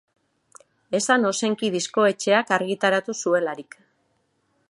Esan Ozenki diskoetxeak argitaratu zuelarik.